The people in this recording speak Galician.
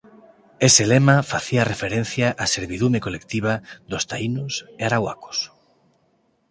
Ese lema facía referencia á servidume colectiva dos taínos e arauacos.